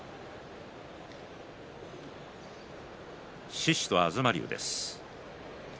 獅司と東龍です。